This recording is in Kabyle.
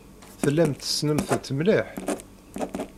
Tellamt tessnemt-t mliḥ?